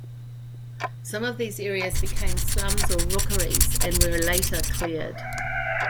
Some of these areas became slums or 'rookeries', and were later cleared.